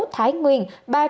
thái nguyên ba trăm linh chín